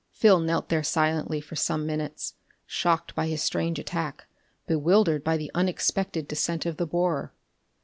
Phil knelt there silently for some minutes, shocked by his strange attack, bewildered by the unexpected descent of the borer.